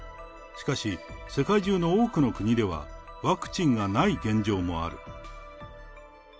しかし、世界中の多くの国ではワクチンがない現状もある。